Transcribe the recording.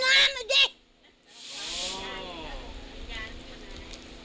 เขาก็อยู่ในตะมือสิ